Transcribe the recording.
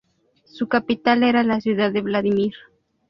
Su capital era la ciudad de Vladímir.